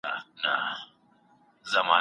د ښځو روغتیا ته باید ځانګړي پاملرنه وسي.